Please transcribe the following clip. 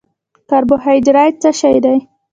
کاربوهایډریټ څه شی دی؟